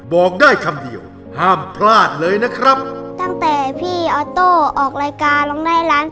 บอกได้คำส่ง